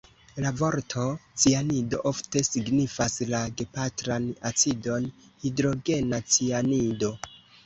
La vorto "cianido" ofte signifas la gepatran acidon, hidrogena cianido.